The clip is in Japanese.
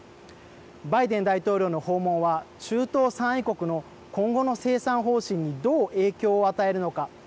バイデン大統領の訪問は中東産油国の今後の生産方針にどう影響を与えるのか。